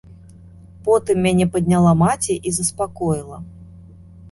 Потым мяне падняла маці і заспакоіла.